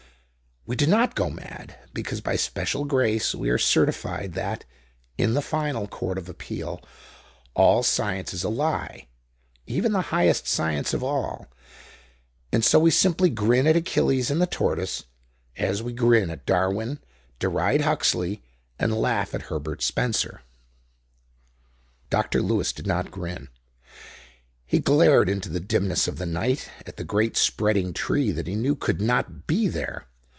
We do not go mad, because, by special grace, we are certified that, in the final court of appeal, all science is a lie, even the highest science of all; and so we simply grin at Achilles and the Tortoise, as we grin at Darwin, deride Huxley, and laugh at Herbert Spencer. Dr. Lewis did not grin. He glared into the dimness of the night, at the great spreading tree that he knew could not be there.